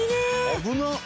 「危なっ！」